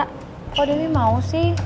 kok dia ini mau sih